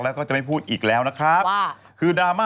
แล้วโทษทีกลับกับ